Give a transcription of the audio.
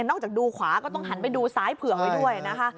จากดูขวาก็ต้องหันไปดูซ้ายเผือกไว้ด้วยนะคะ